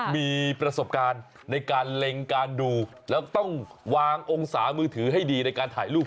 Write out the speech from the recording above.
มีประสบการณ์ในการเล็งการดูแล้วต้องวางองศามือถือให้ดีในการถ่ายรูป